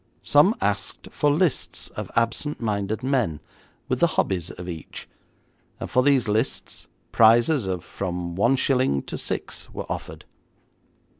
Some asked for lists of absent minded men, with the hobbies of each, and for these lists, prizes of from one shilling to six were offered.